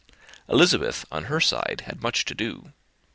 Elizabeth, on her side, had much to do.